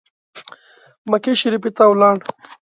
مکې شریفي ته ولاړ.